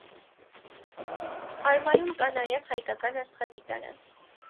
Արմայում կա նաև հայական աստղադիտարան։